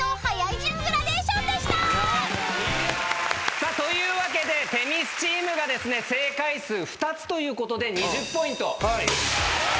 さあというわけで女神チームがですね正解数２つということで。